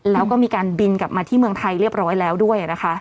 แล้วก็มีการบินกลับมาที่เมืองไทยเรียบร้อยแล้วด้วยนะคะ